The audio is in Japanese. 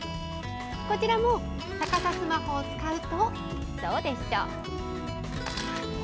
こちらも、逆さスマホを使うとどうでしょう。